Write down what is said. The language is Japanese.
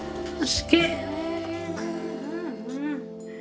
好き。